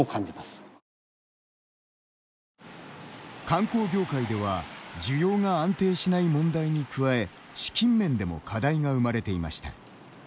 観光業界では需要が安定しない問題に加え資金面でも課題が生まれていました。